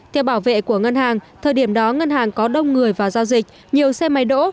theo bảo vệ của ngân hàng thời điểm đó ngân hàng có đông người vào giao dịch nhiều xe máy đỗ